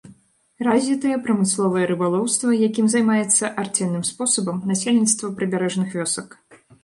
Развітае прамысловае рыбалоўства, якім займаецца арцельным спосабам насельніцтва прыбярэжных вёсак.